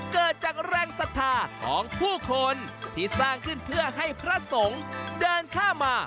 เกิดจากแรงศรัทธาของผู้คนที่สร้างขึ้นเพื่อให้พระสงฆ์เดินข้ามมา